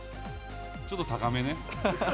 ちょっと高めね。